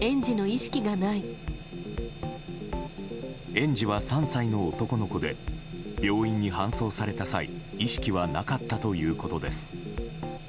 園児は３歳の男の子で病院に搬送された際意識はなかったということです。